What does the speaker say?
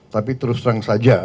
tapi terus terang saja